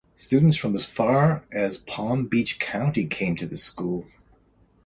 Students from as far as Palm Beach County came to this school.